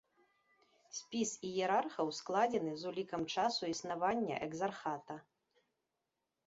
Спіс іерархаў складзены з улікам часу існавання экзархата.